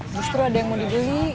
justru ada yang mau dibeli